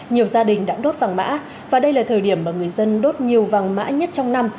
nhiều gia đình đã đốt vàng mã và đây là thời điểm mà người dân đốt nhiều vàng mã nhất trong năm